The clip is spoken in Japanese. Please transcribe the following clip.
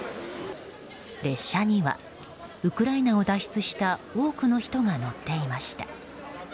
列車にはウクライナを脱出した多くの人が乗っていました。